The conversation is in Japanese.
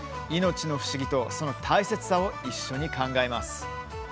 命の不思議とその大切さを一緒に考えます。